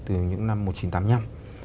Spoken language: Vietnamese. từ những năm một nghìn chín trăm tám mươi năm